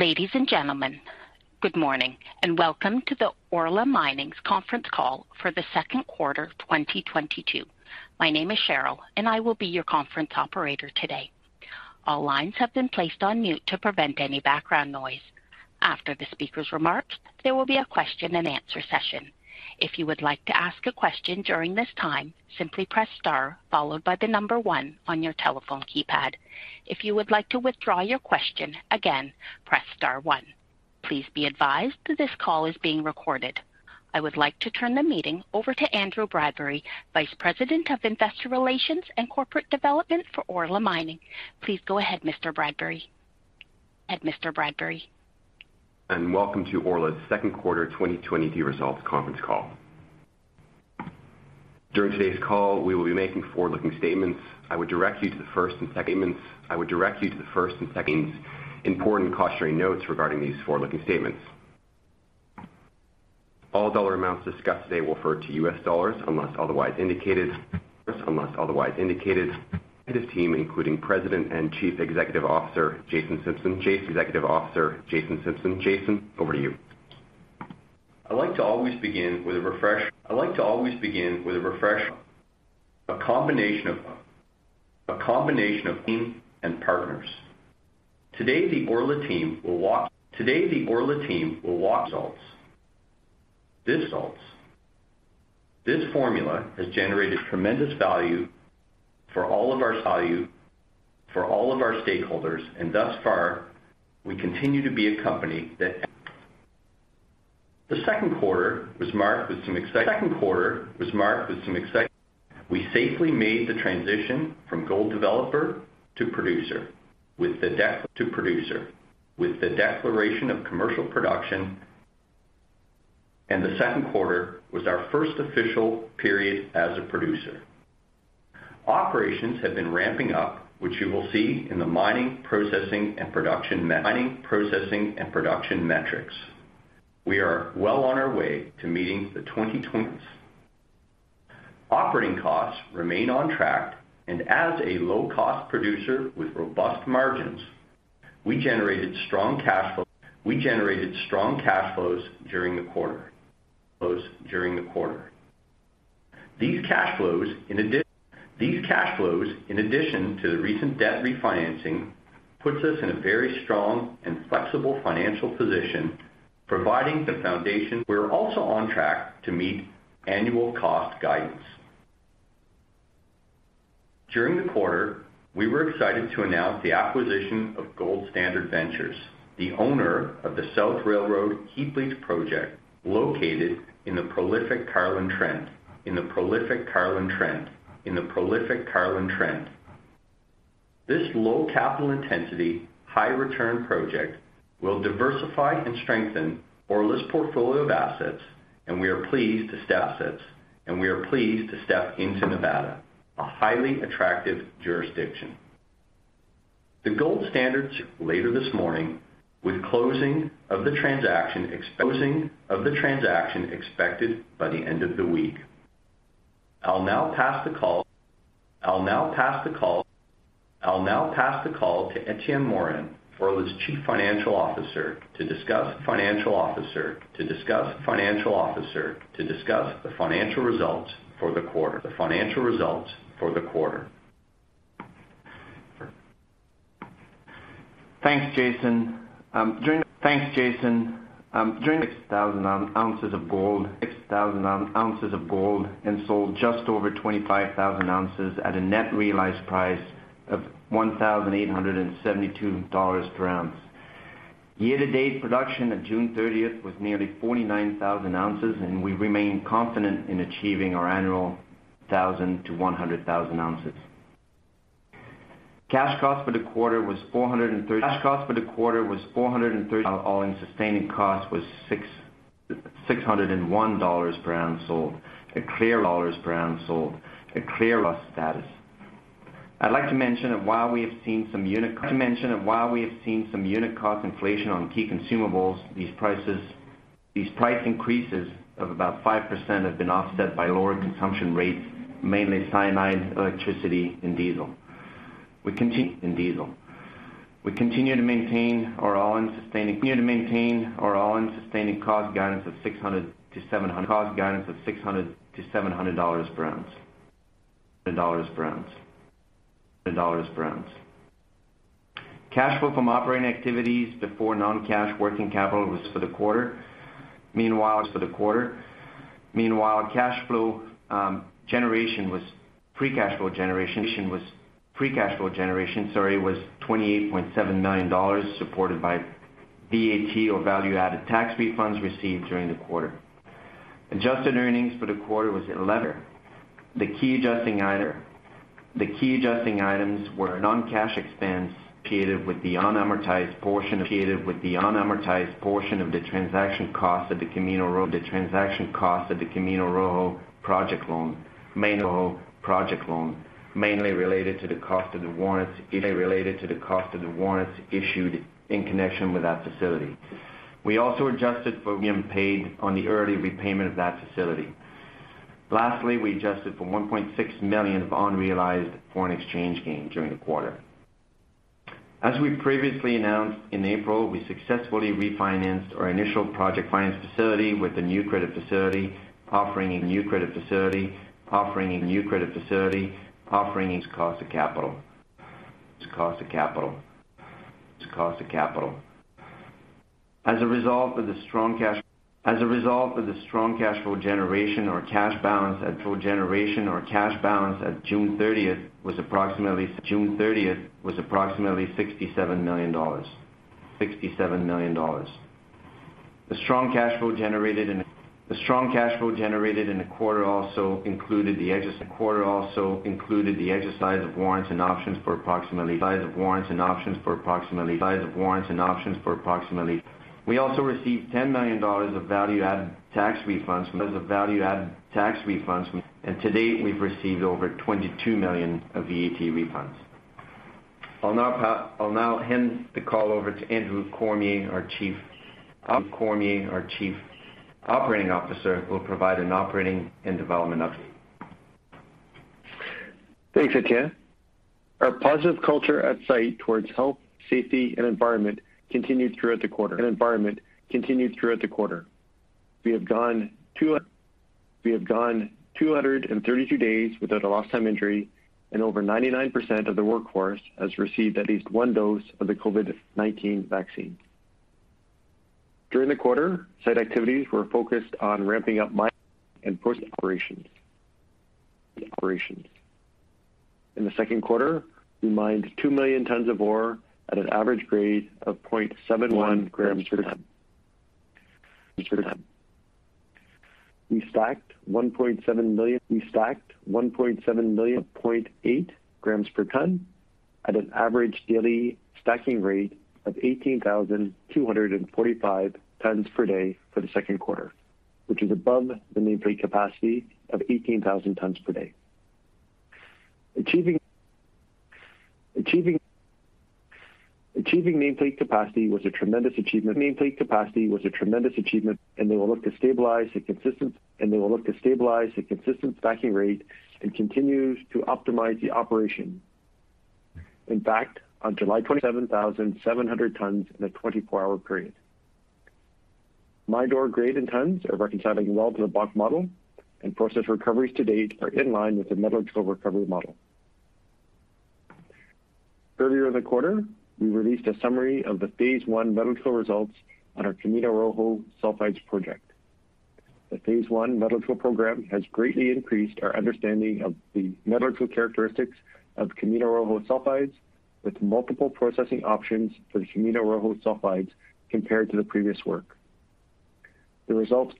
Ladies and gentlemen, good morning, and welcome to the Orla Mining's Conference Call for The Second Quarter 2022. My name is Cheryl and I will be your conference operator today. All lines have been placed on mute to prevent any background noise. After the speaker's remarks, there will be a question-and-answer session. If you would like to ask a question during this time, simply press star followed by the number one on your telephone keypad. If you would like to withdraw your question again, press star one. Please be advised that this call is being recorded. I would like to turn the meeting over to Andrew Bradbury, Vice President of Investor Relations and Corporate Development for Orla Mining. Please go ahead, Mr. Bradbury. Mr. Bradbury. Welcome to Orla's second quarter 2022 results conference call. During today's call, we will be making forward-looking statements. I would direct you to the first and second important cautionary notes regarding these forward-looking statements. All dollar amounts discussed today will refer to U.S. dollars unless otherwise indicated. A team including President and Chief Executive Officer, Jason Simpson. Jason, over to you. I'd like to always begin with a refresh. A combination of team and partners. Today, the Orla team will walk through these results. This formula has generated tremendous value for all of our stakeholders, and thus far, we continue to be a company that. The second quarter was marked with some excitement. We safely made the transition from gold developer to producer with the declaration of commercial production, and the second quarter was our first official period as a producer. Operations have been ramping up, which you will see in the mining, processing, and production metrics. We are well on our way to meeting the 2020. Operating costs remain on track, and as a low-cost producer with robust margins, we generated strong cash flows during the quarter. These cash flows, in addition to the recent debt refinancing, puts us in a very strong and flexible financial position, providing the foundation. We're also on track to meet annual cost guidance. During the quarter, we were excited to announce the acquisition of Gold Standard Ventures, the owner of the South Railroad Heap Leach Project, located in the prolific Carlin Trend. This low capital intensity, high return project will diversify and strengthen Orla's portfolio of assets, and we are pleased to step into Nevada, a highly attractive jurisdiction. The Gold Standard Ventures later this morning with closing of the transaction expected by the end of the week. I'll now pass the call to Etienne Morin, Orla's Chief Financial Officer, to discuss the financial results for the quarter. Thanks, Jason. During 6,000 ounces of gold and sold just over 25,000 ounces at a net realized price of $1,872 per ounce. Year to date, production at June 30th was nearly 49,000 ounces, and we remain confident in achieving our annual 90,000-100,000 ounces. Cash cost for the quarter was $430. All-in sustaining cost was $601 per ounce sold at current gold prices. I'd like to mention that while we have seen some unit cost inflation on key consumables, these prices, these price increases of about 5% have been offset by lower consumption rates, mainly cyanide, electricity, and diesel. We continue to maintain our all-in sustaining cost guidance of $600-$700 per ounce. Cash flow from operating activities before non-cash working capital was for the quarter. Meanwhile, cash flow generation was free cash flow generation was $28.7 million, supported by VAT or value added tax refunds received during the quarter. Adjusted earnings for the quarter was at $11 million. The key adjusting items were non-cash expense created with the unamortized portion of the transaction cost of the Camino Rojo project loan, mainly related to the cost of the warrants issued in connection with that facility. We also adjusted for premium paid on the early repayment of that facility. Lastly, we adjusted for $1.6 million of unrealized foreign exchange gain during the quarter. As we previously announced in April, we successfully refinanced our initial project finance facility with the new credit facility offering a lower cost of capital. As a result of the strong cash As a result of the strong cash flow generation, our cash balance at June 30th was approximately $67 million. The strong cash flow generated in the quarter also included the exercise of warrants and options for approximately six million. We also received $10 million of value-added tax refunds, and to date, we've received over $22 million of VAT refunds. I'll now hand the call over to Andrew Cormier, our Chief Operating Officer, who will provide an operating and development update. Thanks, Etienne. Our positive culture at site towards health, safety, and environment continued throughout the quarter. We have gone 232 days without a lost time injury, and over 99% of the workforce has received at least one dose of the COVID-19 vaccine. During the quarter, site activities were focused on ramping up mine and plant operations. In the second quarter, we mined 2 million tons of ore at an average grade of 0.71 grams per ton. We stacked 1.7 million tons at 0.8 grams per ton at an average daily stacking rate of 18,245 tons per day for the second quarter, which is above the nameplate capacity of 18,000 tons per day. Achieving nameplate capacity was a tremendous achievement, and they will look to stabilize a consistent stacking rate and continue to optimize the operation. In fact, on July 27,700 tons in a 24-hour period. Mine ore grade and tons are reconciling well to the block model, and process recoveries to date are in line with the metallurgical recovery model. Earlier in the quarter, we released a summary of the phase I metallurgical results on our Camino Rojo sulfides project. The phase I metallurgical program has greatly increased our understanding of the metallurgical characteristics of Camino Rojo sulfides, with multiple processing options for the Camino Rojo sulfides compared to the previous work. The results.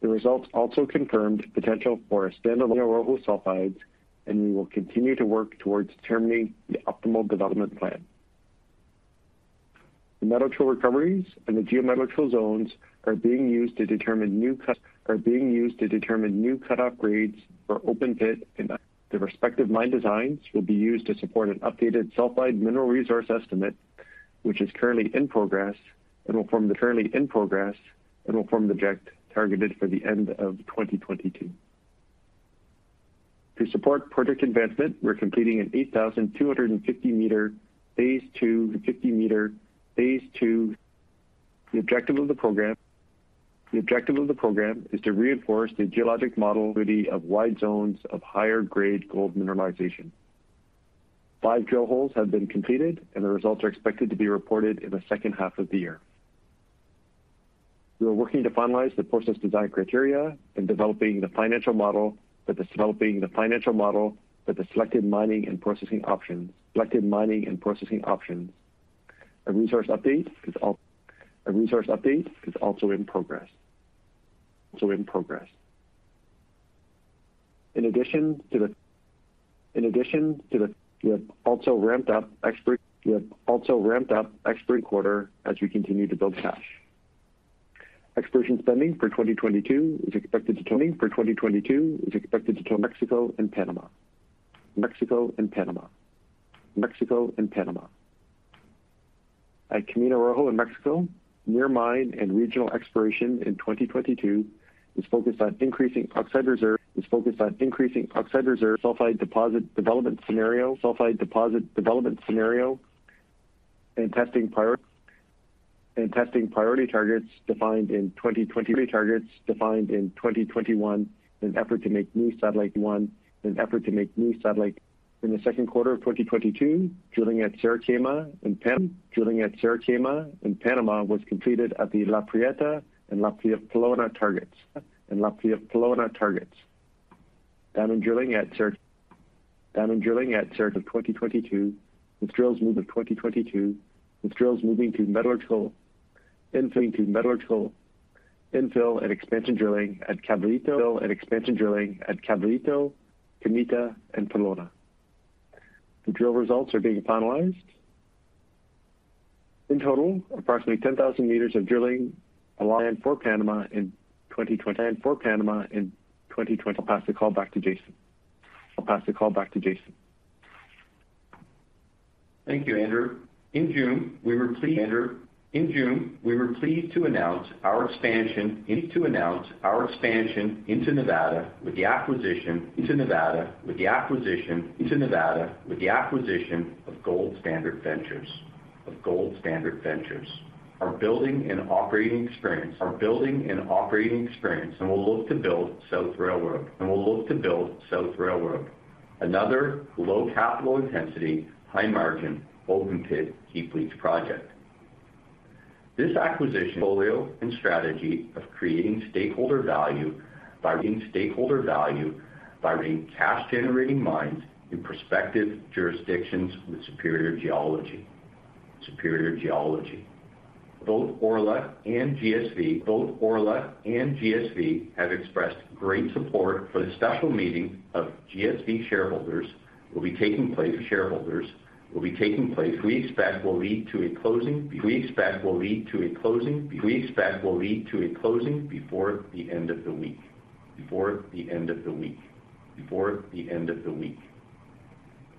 The results also confirmed potential for a standalone Camino Rojo sulfides, and we will continue to work towards determining the optimal development plan. The metallurgical recoveries and the geometallurgical zones are being used to determine new cut-off grades for open pit in the respective mine designs will be used to support an updated sulfide mineral resource estimate, which is currently in progress and will form the project targeted for the end of 2022. To support project advancement, we're completing an 8,250-meter phase II. The objective of the program is to reinforce the geologic model of wide zones of higher grade gold mineralization. Five drill holes have been completed, and the results are expected to be reported in the second half of the year. We are working to finalize the process design criteria and developing the financial model for the selected mining and processing options. A resource update is also in progress. We have also ramped up exploration this quarter as we continue to build cash. Exploration spending for 2022 is expected in Mexico and Panama. At Camino Rojo in Mexico, near-mine and regional exploration in 2022 is focused on increasing oxide reserves, sulfide deposit development scenarios, and testing priority targets defined in 2021 in an effort to make new satellite. In the second quarter of 2022, drilling at Cerro Quema in Panama was completed at the La Prieta and La Pelona targets. Downhole drilling at Cerro Quema in 2022, with drills moving to metallurgical infill and expansion drilling at Caballito, Peñita and Pelona. The drill results are being finalized. In total, approximately 10,000 meters of drilling planned for Panama in 2020. I'll pass the call back to Jason. Thank you, Andrew. In June, we were pleased to announce our expansion into Nevada with the acquisition of Gold Standard Ventures. Our building and operating experience, and we'll look to build South Railroad, another low capital intensity, high margin, open pit heap leach project. This acquisition follows our strategy of creating stakeholder value by creating cash-generating mines in prospective jurisdictions with superior geology. Both Orla and GSV have expressed great support for the special meeting of GSV shareholders will be taking place. We expect will lead to a closing before the end of the week.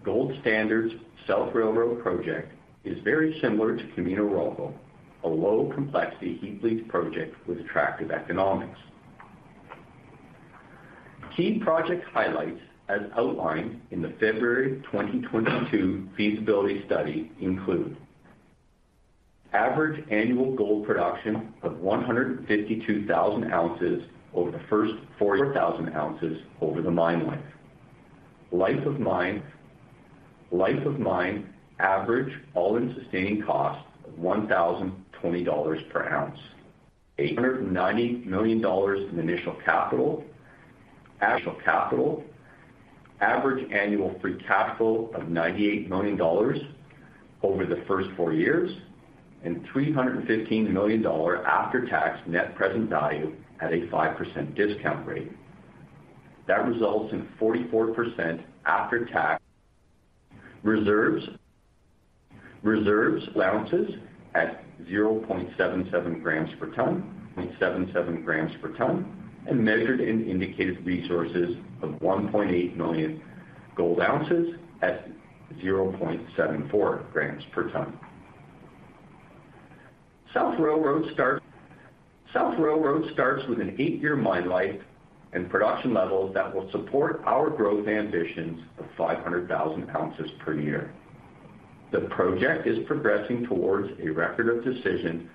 Gold Standard's South Railroad project is very similar to Camino Rojo, a low complexity heap leach project with attractive economics. Key project highlights, as outlined in the February 2022 feasibility study include average annual gold production of 152,000 ounces over the first four years and 40,000 ounces over the mine life. Life of mine average all-in sustaining cost of $1,020 per ounce. $890 million in initial capital. Average annual free cash flow of $98 million over the first four years, and $315 million after-tax net present value at a 5% discount rate. That results in 44% after-tax. Reserves ounces at 0.77 grams per ton, and measured and indicated resources of 1.8 million gold ounces at 0.74 grams per ton. South Railroad starts with an eight-year mine life and production levels that will support our growth ambitions of 500,000 ounces per year. The project is progressing towards a Record of Decision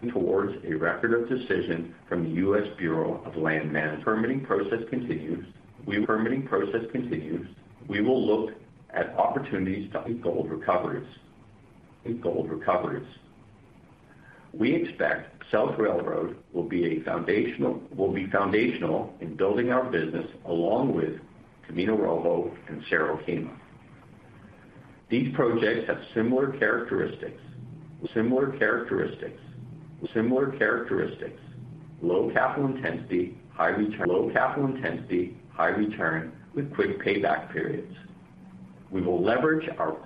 from the U.S. Bureau of Land Management. Permitting process continues. We will look at opportunities to gold recoveries. We expect South Railroad will be foundational in building our business along with Camino Rojo and Cerro Quema. These projects have similar characteristics, low capital intensity, high return with quick payback periods. We will leverage our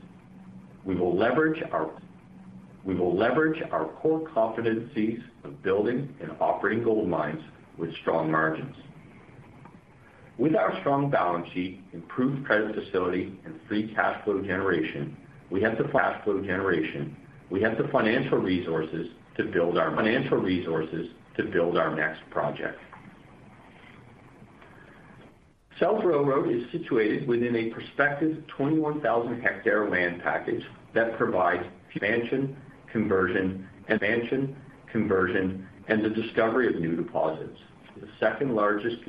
core competencies of building and operating gold mines with strong margins. With our strong balance sheet, improved credit facility, and free cash flow generation, we have the financial resources to build our next project. South Railroad is situated within a prospective 21,000-hectare land package that provides expansion, conversion, and the discovery of new deposits. The second-largest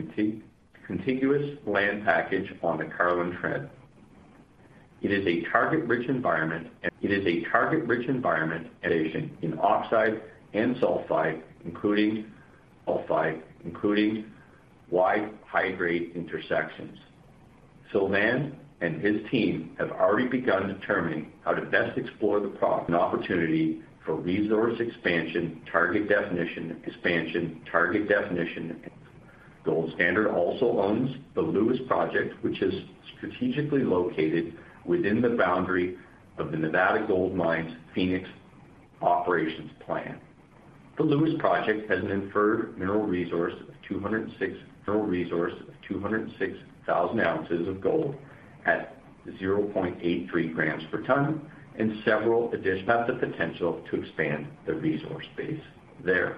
contiguous land package on the Carlin Trend. It is a target-rich environment in oxide and sulfide, including wide high-grade intersections. Sylvain and his team have already begun determining how to best explore an opportunity for resource expansion, target definition. Gold Standard also owns the Lewis Project, which is strategically located within the boundary of the Nevada Gold Mines' Phoenix Operations Plan. The Lewis Project has an inferred mineral resource of 206,000 ounces of gold at 0.83 grams per ton. Have the potential to expand the resource base there.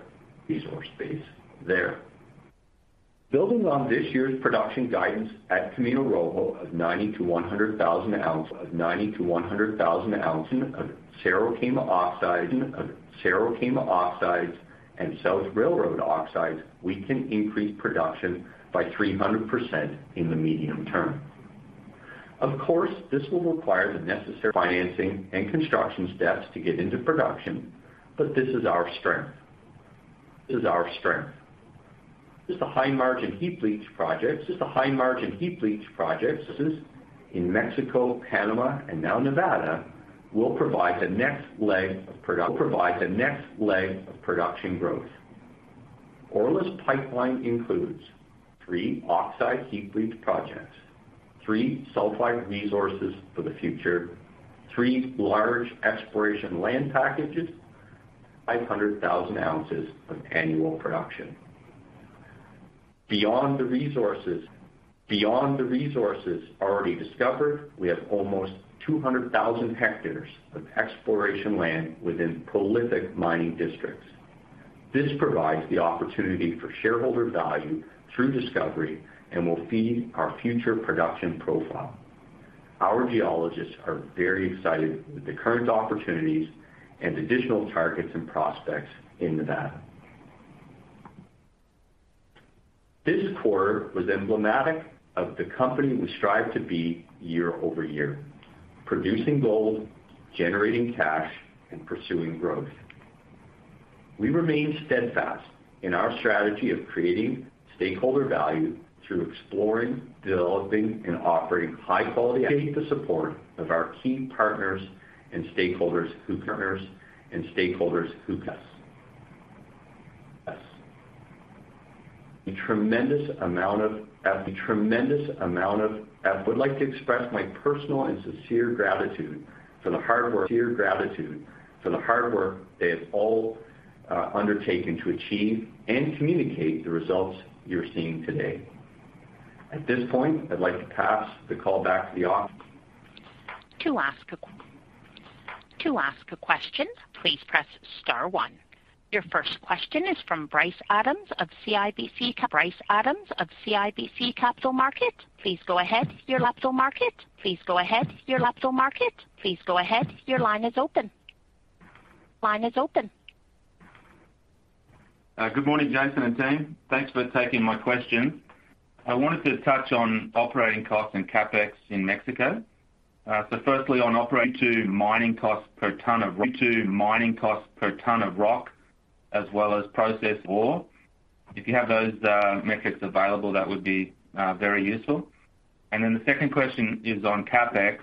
Building on this year's production guidance at Camino Rojo of 90,000-100,000 ounces of Cerro Quema oxides and South Railroad oxides, we can increase production by 300% in the medium term. Of course, this will require the necessary financing and construction steps to get into production, but this is our strength. Just the high-margin heap leach projects in Mexico, Panama, and now Nevada will provide the next leg of production growth. Orla's pipeline includes three oxide heap leach projects, three sulfide resources for the future, three large exploration land packages, 500,000 ounces of annual production. Beyond the resources already discovered, we have almost 200,000 hectares of exploration land within prolific mining districts. This provides the opportunity for shareholder value through discovery and will feed our future production profile. Our geologists are very excited with the current opportunities and additional targets and prospects in Nevada. This quarter was emblematic of the company we strive to be year-over-year, producing gold, generating cash, and pursuing growth. We remain steadfast in our strategy of creating stakeholder value through exploring, developing, and operating high-quality assets with the support of our key partners and stakeholders who support us. I would like to express my personal and sincere gratitude for the hard work they have all undertaken to achieve and communicate the results you're seeing today. At this point, I'd like to pass the call back to the op- To ask a question, please press star one. Your first question is from Bryce Adams of CIBC Capital Markets, please go ahead. Your line Capital Markets, please go ahead. Your line is open. Good morning, Jason and team. Thanks for taking my questions. I wanted to touch on operating costs and CapEx in Mexico. So firstly, on operating and mining costs per ton of rock, as well as processed ore. If you have those metrics available, that would be very useful. The second question is on CapEx.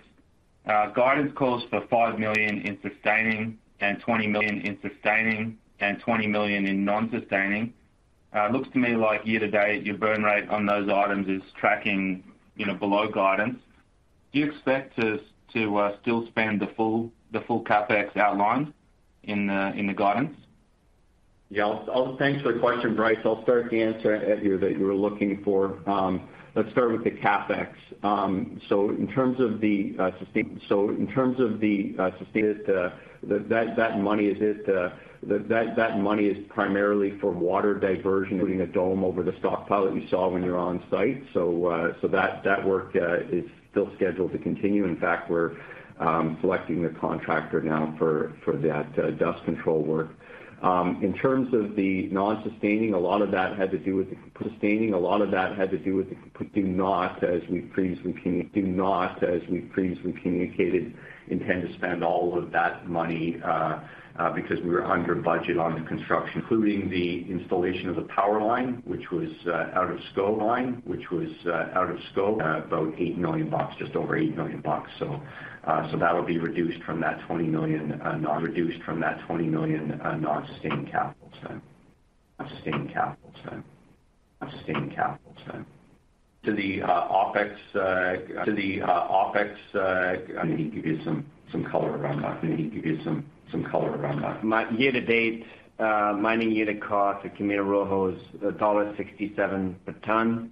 Guidance calls for $5 million in sustaining and $20 million in non-sustaining. It looks to me like year to date, your burn rate on those items is tracking, you know, below guidance. Do you expect us to still spend the full CapEx outlined in the guidance? Thanks for the question, Bryce. I'll start with the answer that you were looking for. Let's start with the CapEx. So, in terms of the sustaining, that money is primarily for water diversion, putting a dome over the stockpile that you saw when you were on site. So that work is still scheduled to continue. In fact, we're selecting the contractor now for that dust control work. In terms of the non-sustaining, a lot of that had to do with the sustaining. We do not, as we've previously communicated, intend to spend all of that money because we were under budget on the construction. Including the installation of the power line, which was out of scope. About $8 million, just over $8 million. That'll be reduced from that $20 million non-sustaining capital spend. To the OpEx. Maybe he can give you some color around that. My year-to-date mining unit cost at Camino Rojo is $1.67 per ton.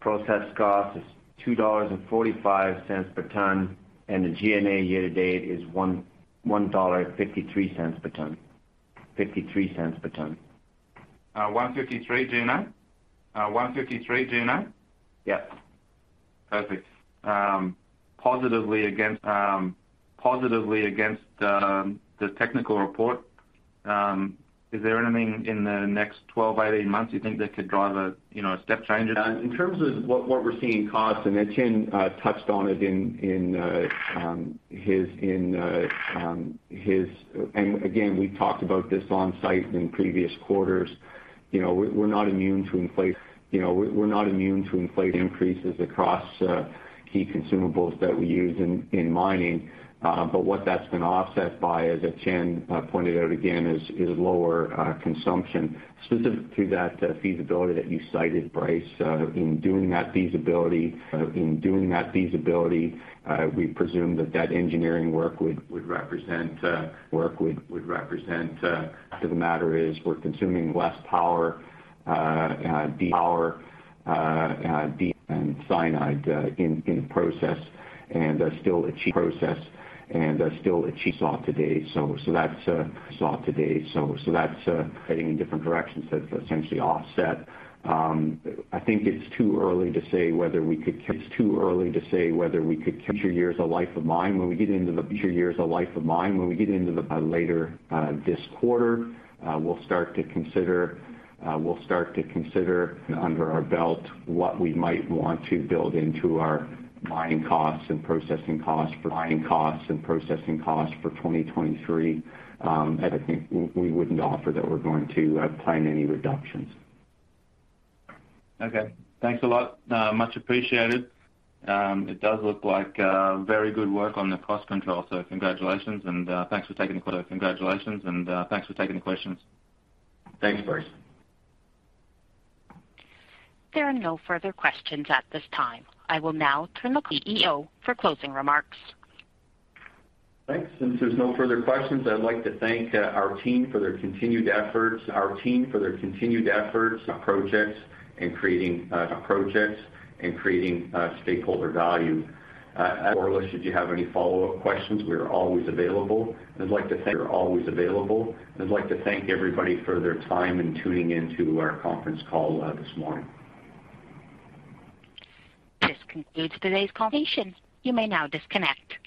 Process cost is $2.45 per ton, and the G&A year to date is $1.53 per ton. $0.53 per ton. $1.53 G&A? Yes. Perfect. Positively against the technical report, is there anything in the next 12-18 months you think that could drive a, you know, a step change? In terms of what we're seeing in costs, and Etienne touched on it in his. Again, we talked about this on site in previous quarters. You know, we're not immune to inflation increases across key consumables that we use in mining. But what that's been offset by, as Etienne pointed out again is lower consumption. Specific to that feasibility that you cited, Bryce, in doing that feasibility, we presumed that that engineering work would represent. The fact of the matter is we're consuming less power and cyanide in the process and still achieving so to date. That's what we've seen to date, heading in different directions that essentially offset. I think it's too early to say whether we could cut future years of life of mine when we get into the fourth quarter. We'll start to consider what we have under our belt, what we might want to build into our mining costs and processing costs for 2023. I think we wouldn't offer that we're going to plan any reductions. Okay. Thanks a lot. Much appreciated. It does look like very good work on the cost control. Congratulations and thanks for taking the questions. Thanks, Bryce. There are no further questions at this time. I will now turn to the CEO for closing remarks. Thanks. Since there's no further questions, I'd like to thank our team for their continued efforts on projects and creating stakeholder value. Or should you have any follow-up questions, we are always available. I'd like to thank everybody for their time in tuning into our conference call this morning. This concludes today's call. You may now disconnect.